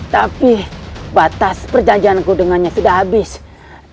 tapi batas perjanjianku dengannya sudah habis